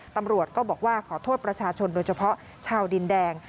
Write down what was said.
ตำรวจก็บอกว่าขอโทษประชาชนโดยเฉพาะชาวดินแดง